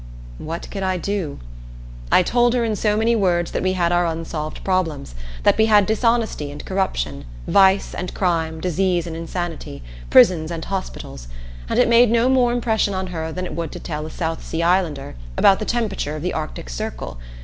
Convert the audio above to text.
What could I do? I told her in so many words that we had our unsolved problems, that we had dishonesty and corruption, vice and crime, disease and insanity, prisons and hospitals; and it made no more impression on her than it would to tell a South Sea Islander about the temperature of the Arctic Circle.